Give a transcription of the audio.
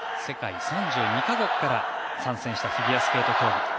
世界３２か国から参戦したフィギュアスケート競技。